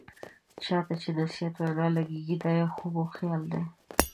چا ته چې د نصيحت وینا لګیږي، دا يو خوب او خيال دی.